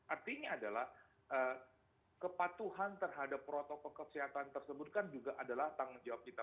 artinya adalah kepatuhan terhadap friday protokol kesehatan tersebut kan juga tanggung jawab kita juga